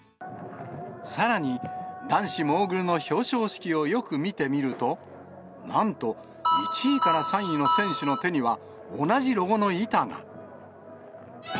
さらに男子モーグルの表彰式をよく見てみると、なんと１位から３位の選手の手には、同じロゴの板が。